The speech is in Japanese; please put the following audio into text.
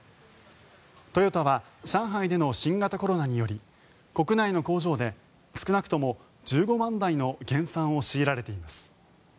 トヨタは上海での新型コロナにより国内の工場で少なくとも１５万台の減産を強いられています。